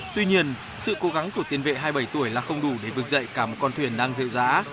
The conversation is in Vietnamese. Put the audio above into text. tuy nhiên sự cố gắng của tiến vệ hai mươi bảy tuổi là không đủ để vực dậy cả một con thuyền đang dự dã